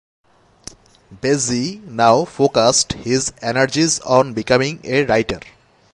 Bessie now focused his energies on becoming a writer.